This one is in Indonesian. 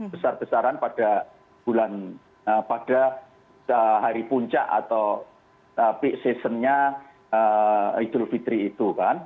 besar besaran pada hari puncak atau peak seasonnya idul fitri itu